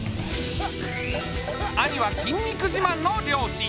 兄は筋肉じまんの漁師。